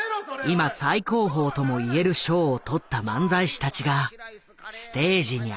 今最高峰ともいえる賞をとった漫才師たちがステージに上がる。